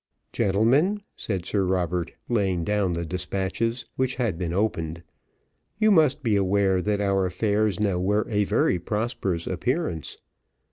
"Gentlemen," said Sir Robert, laying down the despatches, which had been opened, "you must be aware that our affairs now wear a very prosperous appearance.